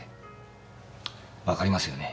分かりますよね？